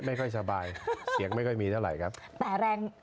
ไม่ค่อยสบายเสียงไม่ค่อยมีเท่าไหร่